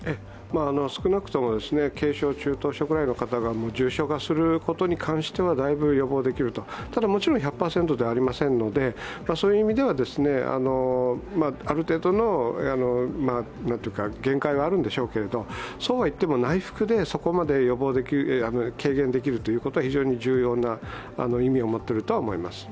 少なくとも軽症、中等症ぐらいの方が重症化することに関しては、だいぶ予防できるとただ、もちろん１００％ではありませんので、そういう意味ではある程度の限界はあるんでしょうけれども、そうはいっても内服でそこまで軽減できるというのは、非常に重要な意味を持っていると思い